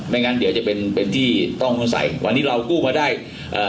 งั้นเดี๋ยวจะเป็นเป็นที่ต้องสงสัยวันนี้เรากู้มาได้เอ่อ